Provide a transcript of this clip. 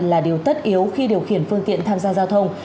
là điều tất yếu khi điều khiển phương tiện tham gia giao thông